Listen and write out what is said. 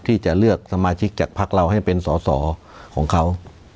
ที่จะเลือกสมาชิกจากพักเราให้เป็นสอสอของเขา